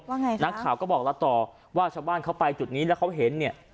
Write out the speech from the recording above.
ว่าไงนักข่าวก็บอกเราต่อว่าชาวบ้านเขาไปจุดนี้แล้วเขาเห็นเนี่ย